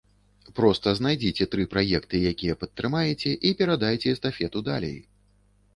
Проста знайдзіце тры праекты, якія падтрымаеце, і перадайце эстафету далей.